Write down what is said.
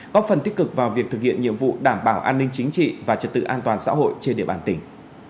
có phần tích cực vào việc thực hiện nhiệm vụ đảm bảo an ninh chính trị và trật tự an toàn xã hội trên địa bàn tỉnh